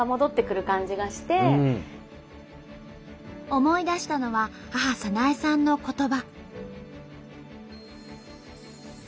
思い出したのは母早苗さんの言葉。